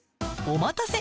お待たせ。